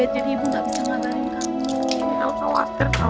jangan khawatir kamu